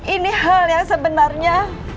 ini hal yang sebenarnya